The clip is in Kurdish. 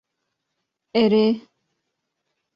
Erê.